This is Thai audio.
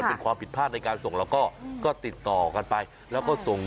คือเขาสั่งเครื่องตัดย่าละครับ